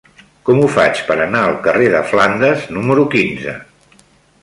Com ho faig per anar al carrer de Flandes número quinze?